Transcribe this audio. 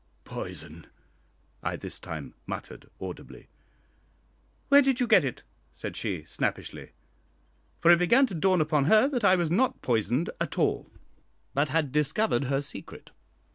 "Poison!" I this time muttered audibly. "Where did you get it?" said she, snappishly. For it began to dawn upon her that I was not poisoned at all, but had discovered her secret.